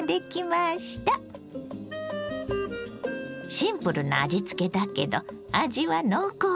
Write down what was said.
シンプルな味つけだけど味は濃厚よ。